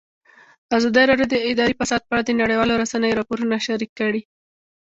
ازادي راډیو د اداري فساد په اړه د نړیوالو رسنیو راپورونه شریک کړي.